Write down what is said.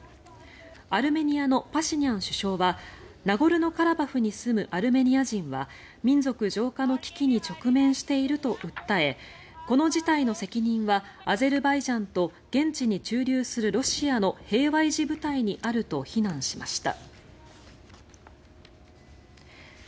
アルメニアのパシニャン首相はナゴルノカラバフに住むアルメニア人は民族浄化の危機に直面していると訴えこの事態の責任はアゼルバイジャンと現地に駐留するロシアの平和維持部隊にあると非難しました。